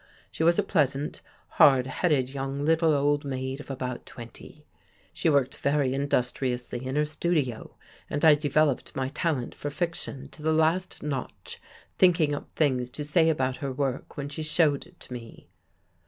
She was a pleasant, hard headed, young little old maid of about twenty. She worked very industri ously in her studio and I developed my talent for fic tion to the last notch thinking up things to say about her work when she showed it to me.